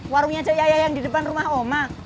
warungnya jaya yang di depan rumah oma